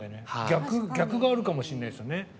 逆があるかもしんないですよね。